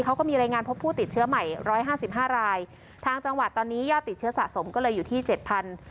เขาก็มีรายงานพบผู้ติดเชื้อใหม่ร้อยห้าสิบห้ารายทางจังหวัดตอนนี้ยอดติดเชื้อสะสมก็เลยอยู่ที่เจ็ดพัน